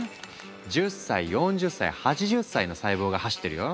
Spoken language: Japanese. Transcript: １０歳４０歳８０歳の細胞が走ってるよ。